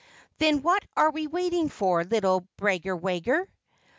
"Then what are we waiting for, little Braggerwagger?"